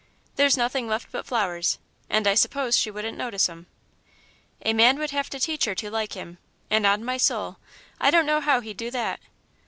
There's nothing left but flowers and I suppose she wouldn't notice'em. "A man would have to teach her to like him, and, on my soul, I don't know how he'd do that.